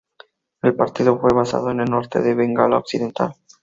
El partido fue basado en el norte de Bengala Occidental.